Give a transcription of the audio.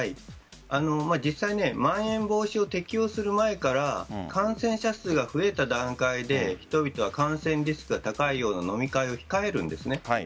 実際まん延防止を適用する前から感染者数が増えた段階で人々は感染リスクが高いような飲み会を控えるんです。